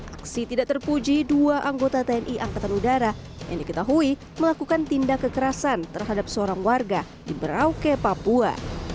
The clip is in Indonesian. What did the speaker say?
aksi tidak terpuji dua anggota tni angkatan udara yang diketahui melakukan tindak kekerasan terhadap seorang warga di berauke papua